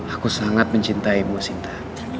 aku sangat mencintaimu sinta